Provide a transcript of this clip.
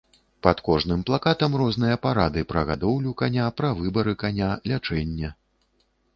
Пад кожным плакатам розныя парады пра гадоўлю каня, пра выбары каня, лячэнне.